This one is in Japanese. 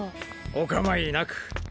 お構いなく。